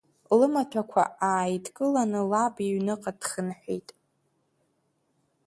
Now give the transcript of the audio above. Лымаҭәақәа ааидкыланы лаб иҩныҟа дхынҳәит…